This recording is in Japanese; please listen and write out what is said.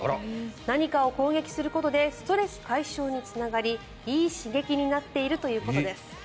何かを攻撃することでストレス解消につながりいい刺激になっているということです。